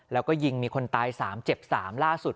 แล้วก็ยิงมีคนตาย๓เจ็บ๓ล่าสุด